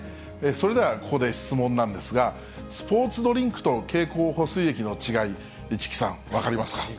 それではここで質問なんですが、スポーツドリンクと経口補水液の違い、市來さん、分かりますか。